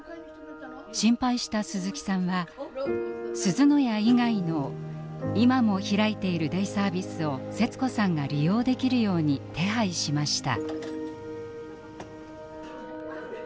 心配した鈴木さんはすずの家以外の今も開いているデイサービスをセツ子さんが利用できるように手配しました。